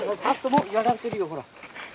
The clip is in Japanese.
もうやられてるよほら。